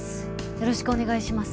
よろしくお願いします。